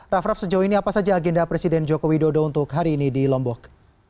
raff raff sejauh ini apa saja agenda presiden joko widodo untuk hari ini di lombok